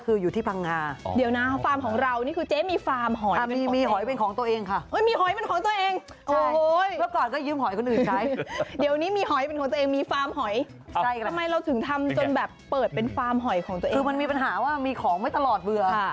คือมีปัญหาว่ามีของไม่ตลอดเผลอ